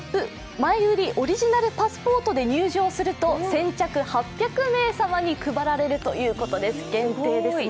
前売オリジナルパスポートで入場すると、先着８００名様に配られるということです、限定ですね。